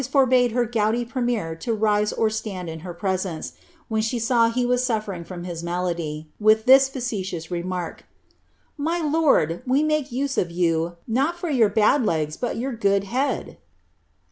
irl'jif her gouiy premier to rise or stand in lier presence, when she saw he was siiflering from his malady, with this facetious remark ;" JIv lonl. we make use of you, not for your bad legs, bul your good head.'"'